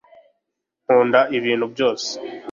nkunda ibintu byose